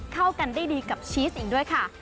เข้ากันได้ดีกับชีสอีกด้วยค่ะ